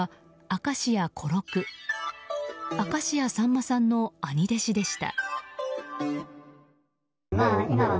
明石家さんまさんの兄弟子でした。